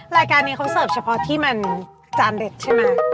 รายการนี้เขาเสิร์ฟเฉพาะที่มันจานเด็ดใช่ไหม